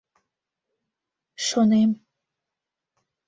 Шонем.